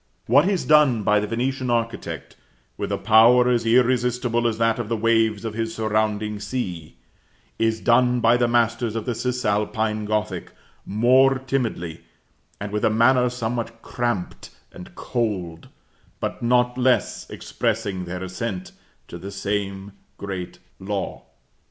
What is done by the Venetian architect, with a power as irresistible as that of the waves of his surrounding sea, is done by the masters of the Cis Alpine Gothic, more timidly, and with a manner somewhat cramped and cold, but not less expressing their assent to the same great law.